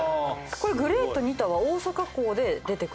これグレート・ニタは大阪港で出てくる？